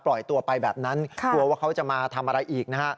ปล่อยตัวไปแบบนั้นกลัวว่าเขาจะมาทำอะไรอีกนะฮะ